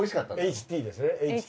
ＨＴですねＨＴ。